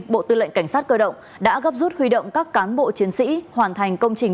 bộ tư lệnh cảnh sát cơ động đã gấp rút huy động các cán bộ chiến sĩ hoàn thành công trình